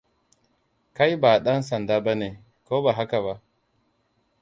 Kai ba ɗan sanda ba ne, ko ba haka ba?